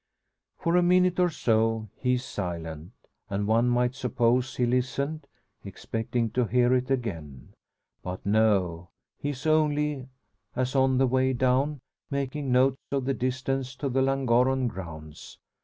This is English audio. For a minute or so he is silent; and one might suppose he listened, expecting to hear it again. But no; he is only, as on the way down, making note of the distance to the Llangorren grounds.